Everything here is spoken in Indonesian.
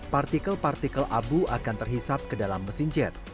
partikel partikel abu akan terhisap ke dalam mesin jet